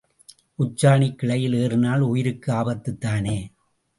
உச்சாணிக் கிளையில் ஏறினால் உயிருக்கு ஆபத்துத்தானே?